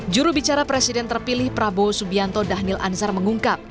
jurubicara presiden terpilih prabowo subianto dhanil ansar mengungkap